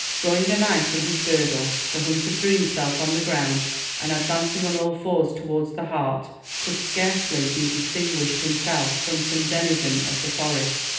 Drawing a knife from his girdle, the hunter threw himself on the ground, and, advancing on all fours towards the hart, could scarcely be distinguished himself from some denizen of the forest.